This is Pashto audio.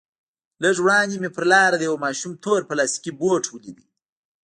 لږ وړاندې مې پر لاره د يوه ماشوم تور پلاستيكي بوټ وليد.